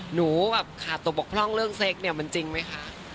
หนูขาตั่วปกพร่องเรื่องเซกส์มันจริงไหมคะ